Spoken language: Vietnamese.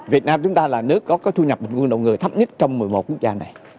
việt nam chúng ta là nước có thu nhập nguồn động người thấp nhất trong một mươi một quốc gia này